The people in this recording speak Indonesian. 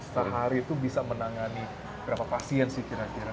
sehari itu bisa menangani berapa pasien sih kira kira